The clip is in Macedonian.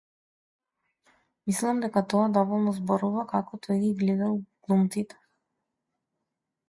Мислам дека тоа доволно зборува како тој ги гледал глумците.